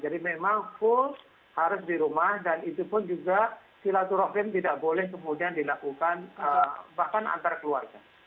jadi memang full harus di rumah dan itu pun juga sholatul rohim tidak boleh kemudian dilakukan bahkan antar keluarga